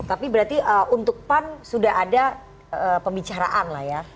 tapi berarti untuk pan sudah ada pembicaraan lah ya